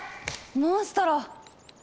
モンストロ。